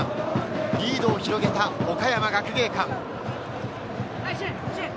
リードを広げた岡山学芸館。